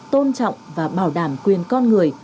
tôn trọng và bảo đảm quyền con người